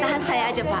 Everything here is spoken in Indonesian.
tahan saya aja pak